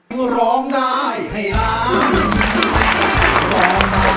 ขอบคุณครับ